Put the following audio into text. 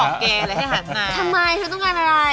ชั้นบอกแกเลยให้หันมาทำไมชั้นต้องการอะไร